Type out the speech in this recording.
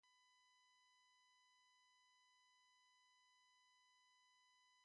It has an industrial as well as a kinship basis.